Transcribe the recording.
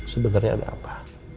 sebenernya ada apa